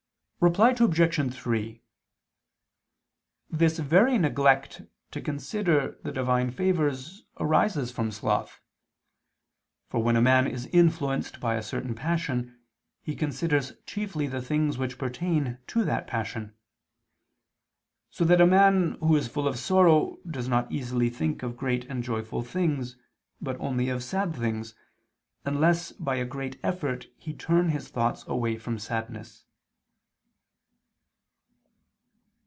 Reply Obj. 3: This very neglect to consider the Divine favors arises from sloth. For when a man is influenced by a certain passion he considers chiefly the things which pertain to that passion: so that a man who is full of sorrow does not easily think of great and joyful things, but only of sad things, unless by a great effort he turn his thoughts away from sadness.